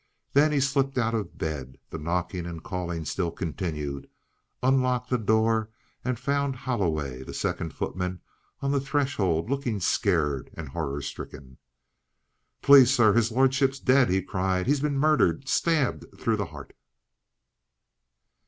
Then he slipped out of bed the knocking and calling still continued unlocked the door, and found Holloway, the second footman, on the threshold looking scared and horror stricken. "Please, sir, his lordship's dead!" he cried. "He's bin murdered! Stabbed through the 'eart!"